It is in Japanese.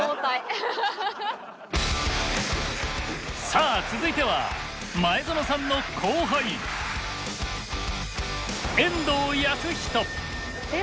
さあ続いては前園さんの後輩遠藤保仁！